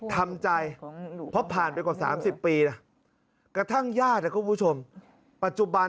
ทำใจเพราะผ่านไปกว่า๓๐ปีนะกระทั่งญาตินะคุณผู้ชมปัจจุบัน